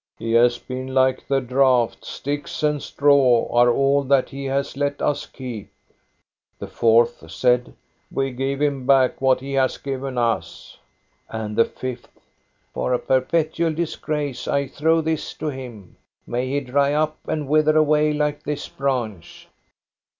" He has been like the drought ; sticks and straw are all that he has let us keep." The fourth said :" We give him back what he has given us." And the fifth :" For a perpetual disgrace I throw this to him. May he dry up and wither away like this branch